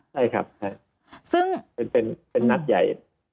ใช่ครับเป็นนักใหญ่